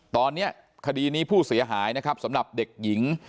ตอนนี้คดีนี้ผู้เสียหายนะครับสำหรับเด็กหญิง